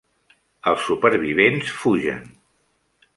Els supervivents fugen.